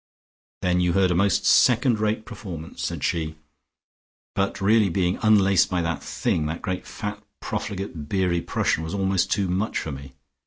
"Then you heard a most second rate performance," said she. "But really being unlaced by that Thing, that great fat profligate beery Prussian was almost too much for me.